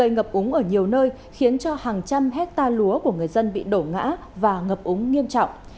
ngập úng ở nhiều nơi khiến cho hàng trăm hectare lúa của người dân bị đổ ngã và ngập úng nghiêm trọng